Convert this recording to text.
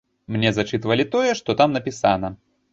Мне зачытвалі тое, што там напісана.